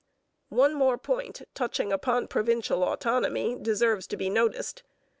One more point, touching upon provincial autonomy, deserves to be noticed.